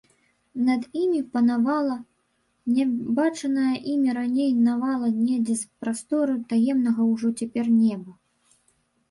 Над імі панавала нябачаная імі раней навала недзе з прастору таемнага ўжо цяпер неба.